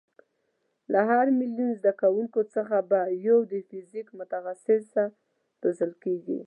له هر میلیون زده کوونکیو څخه به یو د فیزیک متخصصه روزل کېږي.